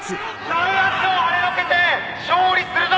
弾圧をはねのけて勝利するぞ！